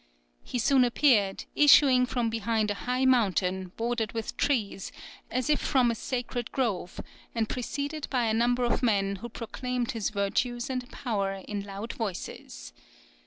He soon appeared, issuing from behind a high mountain, bordered with trees, as if from a sacred grove, and preceded by a number of men who proclaimed his virtues and power in loud voices.